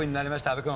阿部君。